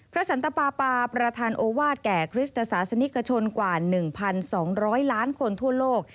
สันตปาปาประธานโอวาสแก่คริสตศาสนิกชนกว่า๑๒๐๐ล้านคนทั่วโลก